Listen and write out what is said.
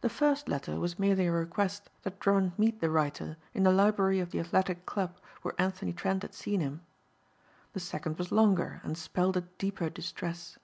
The first letter was merely a request that Drummond meet the writer in the library of the athletic club where Anthony Trent had seen him. The second was longer and spelled a deeper distress.